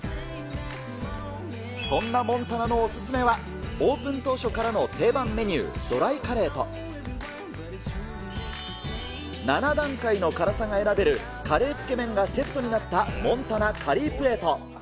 そんなモンタナのお勧めは、オープン当初からの定番メニュー、ドライカレーと、７段階の辛さが選べるカレーつけ麺がセットになった、モンタナカリープレート。